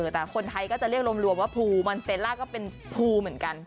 แต่คนไทยก็จะเรียกรวมว่าภูมันเตล่าก็เป็นภูเหมือนกัน